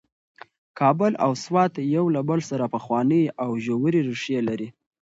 کابل او سوات یو له بل سره پخوانۍ او ژورې ریښې لري.